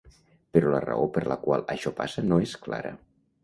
Però la raó per la qual això passa no és clara.